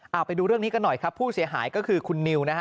เอาไปดูเรื่องนี้กันหน่อยครับผู้เสียหายก็คือคุณนิวนะฮะ